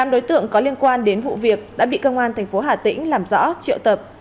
tám đối tượng có liên quan đến vụ việc đã bị công an thành phố hà tĩnh làm rõ triệu tập